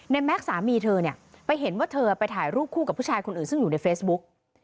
แม็กซ์สามีเธอเนี่ยไปเห็นว่าเธอไปถ่ายรูปคู่กับผู้ชายคนอื่นซึ่งอยู่ในเฟซบุ๊ก